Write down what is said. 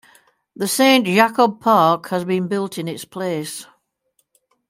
The Saint Jakob-Park has been built in its place.